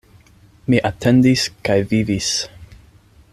Mi atendis kaj vivis.